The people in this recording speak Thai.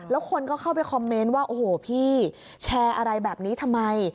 แล้วคนก็เข้าไปคอมเมนต์ว่าโอ้โหพี่แชร์อะไรแบบนี้ทำไม